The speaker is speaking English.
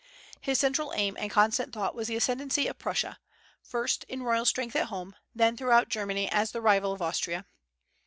His central aim and constant thought was the ascendency of Prussia, first in royal strength at home, then throughout Germany as the rival of Austria.